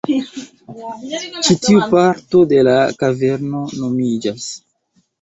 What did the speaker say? Ĉi tiu parto de la kaverno nomiĝas